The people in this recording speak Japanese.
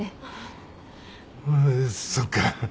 あそっか。